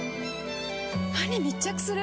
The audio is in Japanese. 歯に密着する！